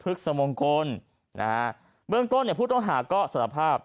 สมงคลนะฮะเบื้องต้นเนี่ยผู้ต้องหาก็สารภาพ